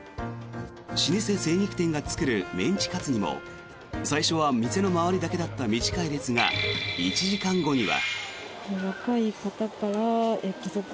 老舗精肉店が作るメンチカツにも最初は店の周りだけだった短い列が１時間後には。